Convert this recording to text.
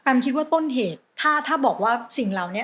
คิดว่าต้นเหตุถ้าบอกว่าสิ่งเหล่านี้